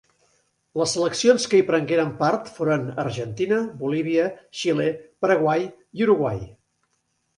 Les seleccions que hi prengueren part foren Argentina, Bolívia, Xile, Paraguai, i Uruguai.